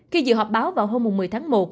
khi dự họp báo vào hôm một mươi tháng một